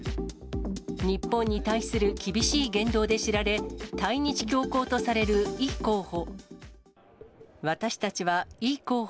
日本に対する厳しい言動で知られ、対日強硬とされるイ候補。